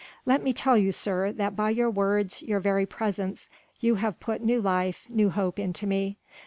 "Let me tell you, sir, that by your words, your very presence, you have put new life, new hope into me.